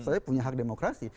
saya punya hak demokrasi